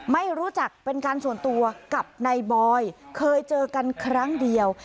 ไม่รู้จักเป็นการส่วนตัวกับนายบอยเคยเจอกันครั้งเดียว